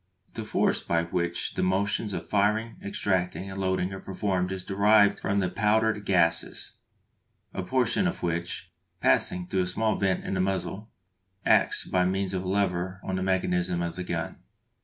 The force by which the motions of firing, extracting, and loading are performed is derived from the powder gases, a portion of which passing through a small vent in the muzzle acts by means of a lever on the mechanism of the gun.